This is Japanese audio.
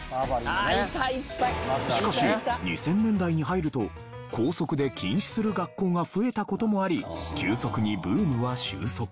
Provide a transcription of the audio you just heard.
しかし２０００年代に入ると校則で禁止する学校が増えた事もあり急速にブームは終息。